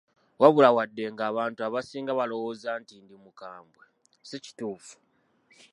"Wabula, wadde ng’abantu abasinga balowooza nti ndi mukambwe, si kituufu."